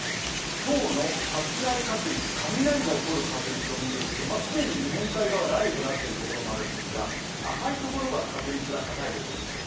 今日の発雷確率、雷が起こる確率を見ていくと既に日本海側、雷雨となっているところも多いんですが、赤いところが確率が高いところですよ。